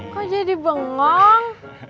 kok jadi bengong